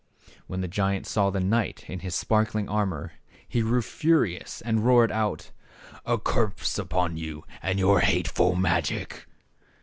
When the giant saw the knight in his sparkling armor he grew furious and roared out, " A curse upon you and your hateful magic."